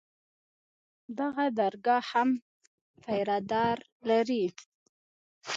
دغه درګاه هم پيره دار لري.